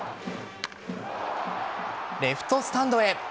レフトスタンドへ。